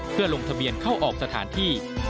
เพื่อลงทะเบียนเข้าออกสถานที่